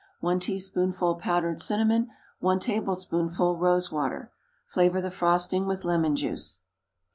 1 teaspoonful powdered cinnamon. 1 tablespoonful rose water. Flavor the frosting with lemon juice.